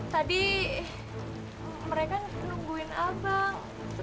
tadi mereka nungguin abang